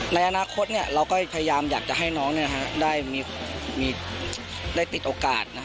ในอนาคตเราก็พยายามอยากจะให้น้องได้ติดโอกาส